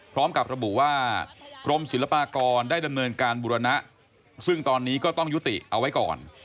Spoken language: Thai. พร้อมกับระบุว่ากรมศิลปากรได้ดำเนินการบุรณะซึ่งตอนนี้ก็ต้องยุติเอาไว้ก่อน